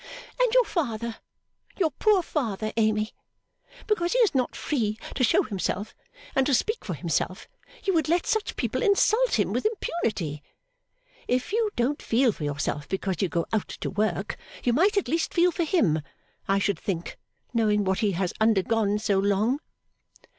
'And your father, your poor father, Amy. Because he is not free to show himself and to speak for himself, you would let such people insult him with impunity. If you don't feel for yourself because you go out to work, you might at least feel for him, I should think, knowing what he has undergone so long.